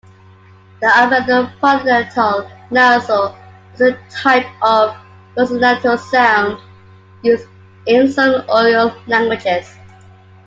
The alveolo-palatal nasal is a type of consonantal sound, used in some oral languages.